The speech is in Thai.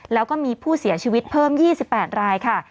แล้วก็มีผู้เสียชีวิตเพิ่ม๒๘รายค่ะ